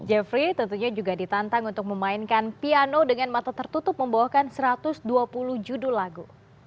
jeffrey tentunya juga ditantang untuk memainkan piano dengan mata tertutup membawakan satu ratus dua puluh judul lagu